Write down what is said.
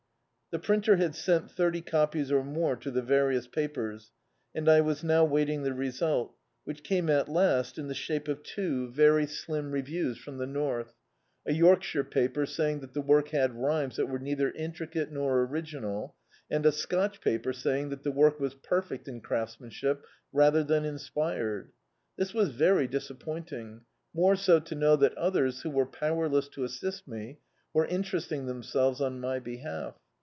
The printer had sent thirty copies or more to the various papcTS, and I was now waiting the result, whidi at last came m the shape of two very slim Dictzed by Google The Autobiography of a Super Tramp reviews from the North; a Yorkshire paper saying that the work had rhymes that were neither intricate nor original, and a Scotch paper saying that the work was perfect in craftsmanship rather than in spired. This was very disappointing, more so to know that others, who were powerless to assist me, were interesting themselves on my behalf.